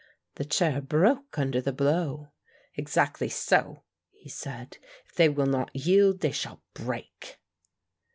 The chair broke under the blow. "Exactly so," he said; "if they will not yield they shall break."